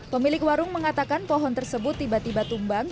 pemilik warung mengatakan pohon tersebut tiba tiba tumbang